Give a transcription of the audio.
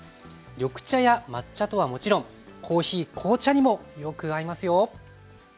緑茶や抹茶とはもちろんコーヒー紅茶にもよく合いますよ。